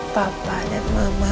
papa dan mama